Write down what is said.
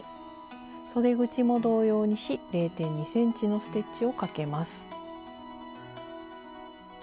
そで口も同様にし０．２ｃｍのステッチをかけます。